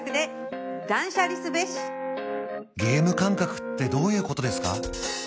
ゲーム感覚ってどういうことですか？